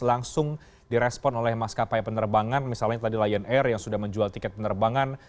langsung direspon oleh maskapai penerbangan misalnya tadi lion air yang sudah menjual tiket penerbangan